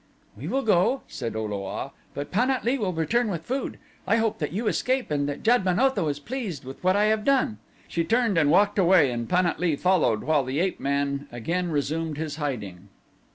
"We will go," said O lo a, "but Pan at lee will return with food. I hope that you escape and that Jad ben Otho is pleased with what I have done." She turned and walked away and Pan at lee followed while the ape man again resumed his hiding.